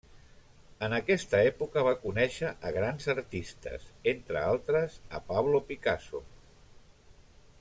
En aquesta època va conèixer a grans artistes, entre altres a Pablo Picasso.